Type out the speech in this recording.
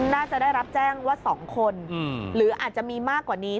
น่าจะได้รับแจ้งว่า๒คนหรืออาจจะมีมากกว่านี้